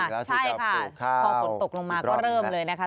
พอฝนตกลงมาก็เริ่มเลยนะคะ